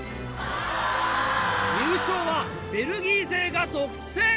入賞はベルギー勢が独占！